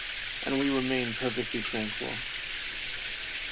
And we remain perfectly tranquil.